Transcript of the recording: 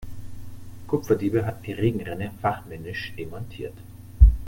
Kupferdiebe hatten die Regenrinne fachmännisch demontiert.